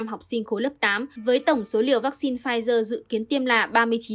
học sinh khối lớp tám với tổng số liều vaccine pfizer dự kiến tiêm là ba mươi chín bốn trăm linh một liều